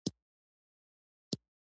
سکې د طلا نقرې او مسو وې